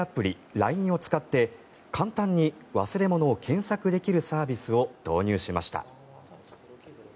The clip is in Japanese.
ＬＩＮＥを使って簡単に忘れ物を検索できるサービスを導入しました。